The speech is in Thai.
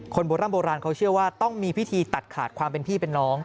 โบร่ำโบราณเขาเชื่อว่าต้องมีพิธีตัดขาดความเป็นพี่เป็นน้อง